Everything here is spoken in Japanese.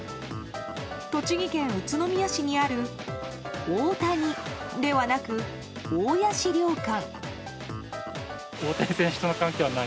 栃木県宇都宮市にある「おおたに」ではなく「おおや」資料館。